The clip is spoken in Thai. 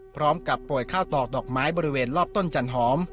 พร้อมกับโปรดข้าวตอกดอกไม้บริเวณรอบต้นจันทรอม